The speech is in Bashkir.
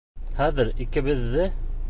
Хәҙер икебеҙҙе...